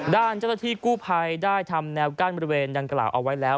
ด้านเจ้าหน้าที่กู้ภัยได้ทำแนวกั้นบริเวณดังกล่าวเอาไว้แล้ว